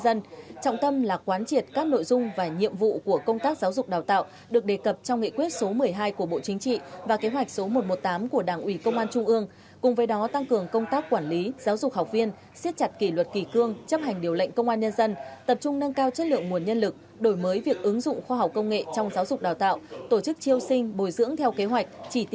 để hoàn thành tốt các nhiệm vụ trọng tâm trong quý ii và nhiệm vụ trọng tâm là quán triệt các nội dung và nhiệm vụ của công tác giáo dục đào tạo được đề cập trong nghị quyết số một mươi hai của bộ chính trị và kế hoạch số một trăm một mươi tám của đảng ủy công an trung ương cùng với đó tăng cường công tác quản lý giáo dục học viên siết chặt kỷ luật kỳ cương chấp hành điều lệnh công an nhân dân tập trung nâng cao chất lượng nguồn nhân lực đổi mới việc ứng dụng khoa học công nghệ trong giáo dục đào tạo tổ chức triêu sinh bồi dưỡng theo kế hoạch